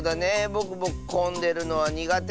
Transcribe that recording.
ぼくもこんでるのはにがて。